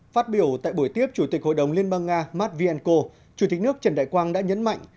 phát biểu tại buổi tiếp chủ tịch hội đồng liên bang nga matvienko chủ tịch nước trần đại quang đã nhấn mạnh